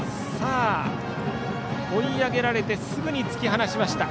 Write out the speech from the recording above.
追い上げられてすぐに突き放しました。